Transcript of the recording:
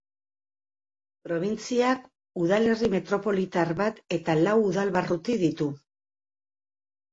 Probintziak udalerri metropolitar bat eta lau udal-barruti ditu.